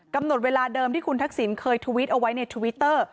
กำหนดเวลาเดิมที่คุณทักษิณเคยทวิตเอาไว้ในทวิตเตอร์